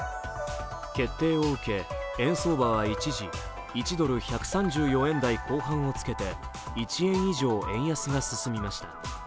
決定を受け円相場は一時１ドル＝１３４円台後半をつけ１円以上円安が進みました。